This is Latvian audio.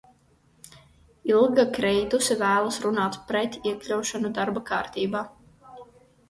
"Ilga Kreituse vēlas runāt "pret" iekļaušanu darba kārtībā."